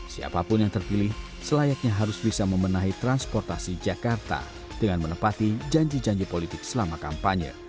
siapapun yang terpilih selayaknya harus bisa memenahi transportasi jakarta dengan menepati janji janji politik selama kampanye